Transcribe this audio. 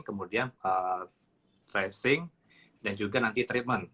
kemudian tracing dan juga nanti treatment